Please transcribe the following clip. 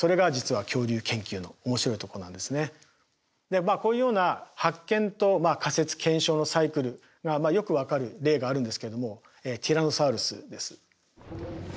でまあこういうような発見と仮説検証のサイクルがよく分かる例があるんですけれどもティラノサウルスです。